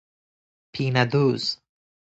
پینه دوز